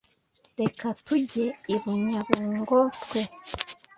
reka tujye ibunyabungo twe"